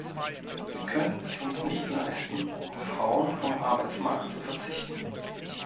Wir können es uns nicht leisten, auf Frauen am Arbeitsmarkt zu verzichten.